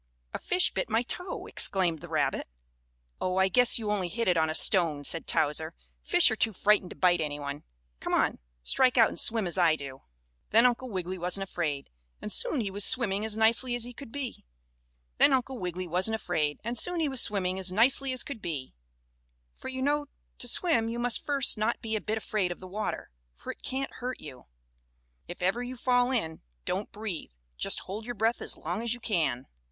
"A fish bit my toe," exclaimed the rabbit. "Oh, I guess you only hit it on a stone," said Towser. "Fish are too frightened to bite any one. Come on, strike out and swim as I do." Then Uncle Wiggily wasn't afraid, and soon he was swimming as nicely as could be. For you know to swim you must first not be a bit afraid of the water, for it can't hurt you. If ever you fall in, don't breathe just hold your breath as long as you can.